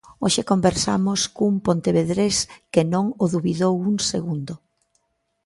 Hoxe conversamos cun pontevedrés que non o dubidou un segundo.